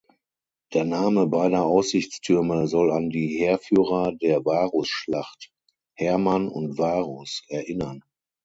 Der Name beider Aussichtstürme soll an die Heerführer der Varusschlacht, Hermann und Varus, erinnern.